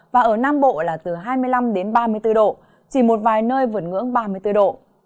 và ở nam bộ là từ hai mươi năm đến ba mươi bốn độ chỉ một vài nơi vượt ngưỡng ba mươi bốn độ